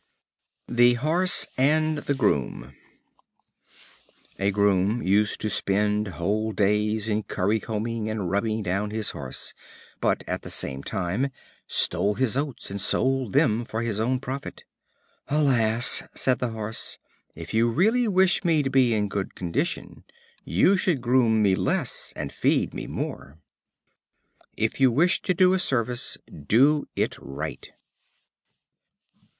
The Horse and the Groom. A Groom used to spend whole days in currycombing and rubbing down his Horse, but at the same time stole his oats, and sold them for his own profit. "Alas!" said the Horse, "if you really wish me to be in good condition, you should groom me less, and feed me more." If you wish to do a service, do it right.